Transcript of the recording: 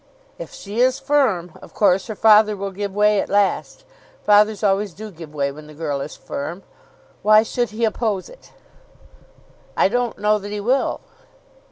"If she is firm, of course her father will give way at last. Fathers always do give way when the girl is firm. Why should he oppose it?" "I don't know that he will."